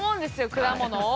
果物を。